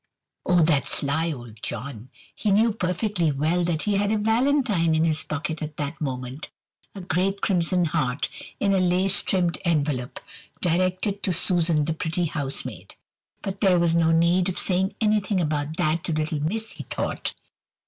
Oh, that sly old John! He knew perfectly well that he had a valentine in his pocket at that moment, a great crimson heart, in a lace trimmed envelope, directed to Susan, the pretty housemaid. But there was no need of saying anything about that to little miss, he thought.